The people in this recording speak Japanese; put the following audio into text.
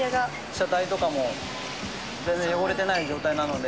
車体とかも全然汚れてない状態なので。